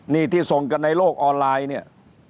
นี่ที่ส่งกันในโลกออนไลน์เนี่ย